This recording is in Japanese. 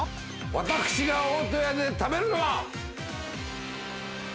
私が大戸屋で食べるのは。